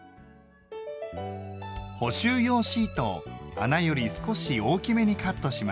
補修用シートを穴より少し大きめにカットします。